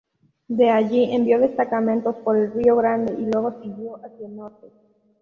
Desde allí envió destacamentos por el río Grande y luego siguió hacia el norte.